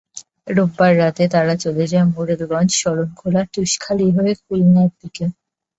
রোববার রাতে তারা চলে যায় মোরেলগঞ্জ, শরণখোলা, তুষখালী হয়ে খুলনার দিকে।